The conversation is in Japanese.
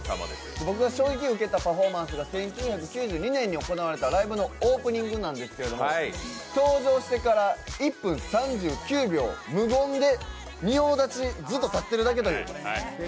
僕が衝撃を受けたパフォーマンスが１９９２年に行われたライブのオープニングなんですけども、登場してから１分３９秒無言で仁王立ちずっと立ってるだけという。